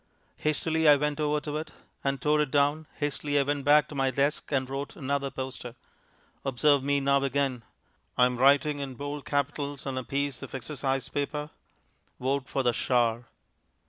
Hastily I went over to it, and tore it down; hastily I went back to my desk and wrote another poster. Observe me now again. I am writing in bold capitals on a piece of exercise paper: "VOTE FOR THE SHAR."